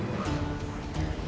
aku akan mencintai angel li